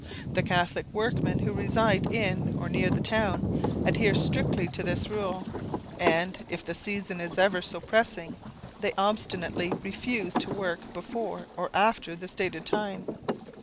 The Catholic workmen who reside in or near the town, adhere strictly to this rule, and, if the season is ever so pressing, they obstinately refuse to work before or after the stated time.